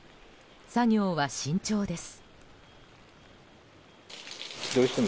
作業は慎重です。